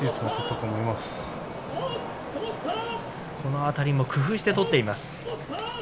途中も工夫して取っています。